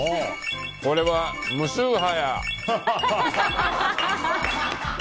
これは、無宗派や！